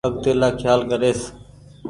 آگتيلآ کيال ڪريس۔